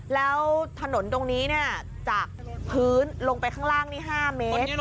แล้วถนนตรงนี้จากพื้นลงไปข้างล่างนี่๕เมตร